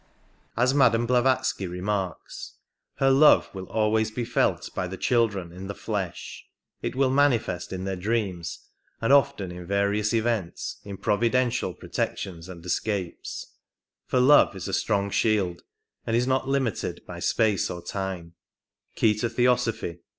As Madame Blavatsky remarks, her love will always be felt by the children in the flesh ; it will manifest in their dreams and often in various events, in providential protections and escapes — for love is a strong shield, and is not limited by space or time" {Key to Theosophy^ p.